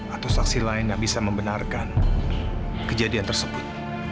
atau saksi lain yang bisa membenarkan kejadian tersebut